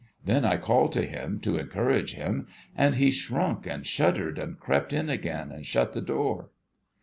Then, I called to him, to encourage him, and he shrunk, and shuddered, and crept in again, and shut the door.'